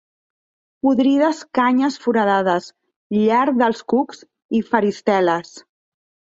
Podrides canyes foradades, llar dels cucs i feristeles.